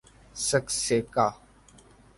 سکسیکا